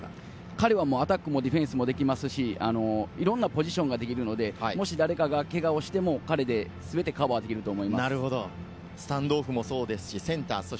彼らはアタックもできますし、いろんなポジションができるので、誰かがけがをしても、彼で全てカバーできると思います。